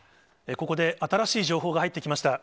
ここで、新しい情報が入ってきました。